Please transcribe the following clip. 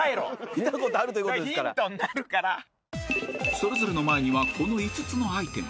［それぞれの前にはこの５つのアイテム］